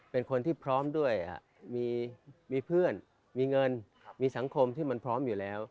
เป็นคนที่พร้อมด้วยมีเพื่อนมีเงินมีสังคมที่มันพร้อมอยู่แล้ว